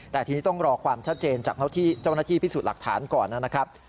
แต่ทีนี้ต้องรอความชัดเจนจากเจ้าหน้าที่พิสูจน์หลักฐานก่อนนะครับ